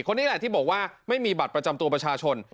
นี่แหละที่บอกว่าไม่มีบัตรประจำตัวประชาชน